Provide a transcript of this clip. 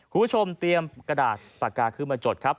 คุณผู้ชมเตรียมกระดาษปากกาขึ้นมาจดครับ